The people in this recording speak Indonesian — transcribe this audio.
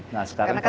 nah sekarang tetap